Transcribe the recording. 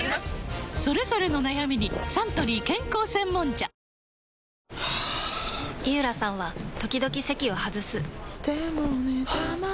それぞれの悩みにサントリー健康専門茶はぁ井浦さんは時々席を外すはぁ。